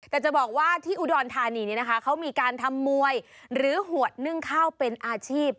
แต่จะบอกว่าที่อุดรธานีนี้นะคะเขามีการทำมวยหรือหวดนึ่งข้าวเป็นอาชีพ